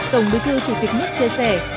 tổng bí thư chủ tịch nước chia sẻ